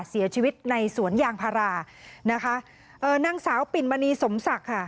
เสียชีวิตในสวนยางพารานะคะเอ่อนางสาวปิ่นมณีสมศักดิ์ค่ะ